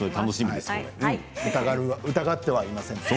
疑ってはいませんよ。